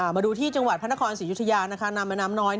มาดูที่จังหวัดพระนครศรียุธยานำแม่น้ำน้อย